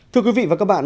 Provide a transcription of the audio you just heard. thưa quý vị và các bạn